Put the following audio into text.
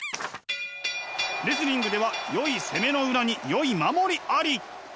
レスリングではよい攻めの裏によい守りあり！